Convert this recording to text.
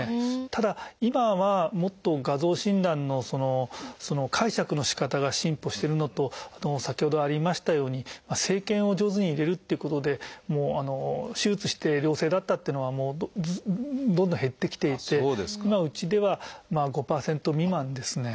ただ今はもっと画像診断の解釈のしかたが進歩してるのと先ほどありましたように生検を上手に入れるっていうことで手術して良性だったっていうのはどんどん減ってきていて今うちでは５％未満ですね。